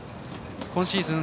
今シーズン